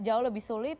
jauh lebih sulit